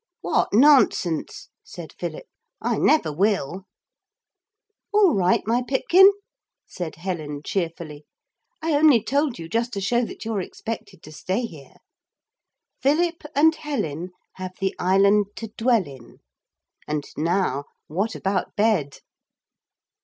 'What nonsense!' said Philip, 'I never will.' 'All right, my Pipkin,' said Helen cheerfully; 'I only told you just to show that you're expected to stay here. "Philip and Helen have the island to dwell in." And now, what about bed?'